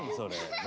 何？